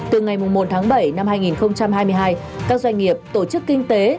từ ngày một tháng bảy năm hai nghìn hai mươi hai các doanh nghiệp tổ chức kinh tế